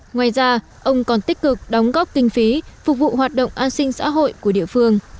ngoài ra ông còn tích cực đóng góp kinh phí phục vụ hoạt động an sinh xã hội của địa phương